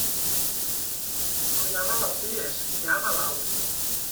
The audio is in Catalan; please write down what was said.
No hi ha malalties; hi ha malalts.